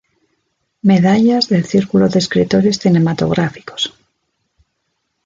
Medallas del Círculo de Escritores Cinematográficos